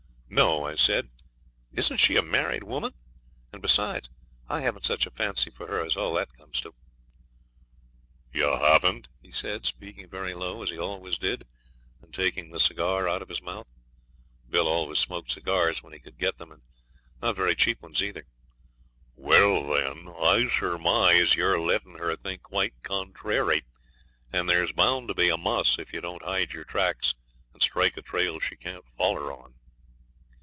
'No,' I said; 'isn't she a married woman? and, besides, I haven't such a fancy for her as all that comes to.' 'Ye heven't?' he said, speaking very low, as he always did, and taking the cigar out of his mouth Bill always smoked cigars when he could get them, and not very cheap ones either; 'well, then, I surmise you're lettin' her think quite contrairy, and there's bound to be a muss if you don't hide your tracks and strike a trail she can't foller on.'